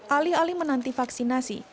alih alih menanti vaksinasi